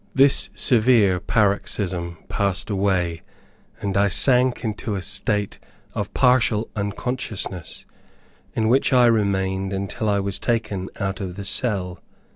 This severe paroxysm passed away, and I sank into a state of partial unconsciousness, in which I remained until I was taken out of the cell.